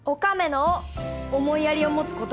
思いやりを持つ事。